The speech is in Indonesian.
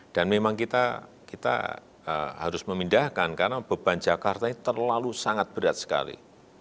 dan memang kita harus memindahkan karena beban jakarta ini terlalu sangat berat sekali